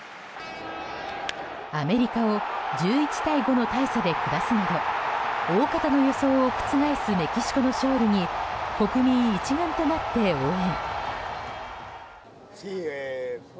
アメリカを１１対５の大差で下すなど大方の予想を覆すメキシコの勝利に国民一丸となって応援。